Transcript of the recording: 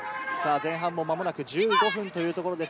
前半、間もなく１５分というところです。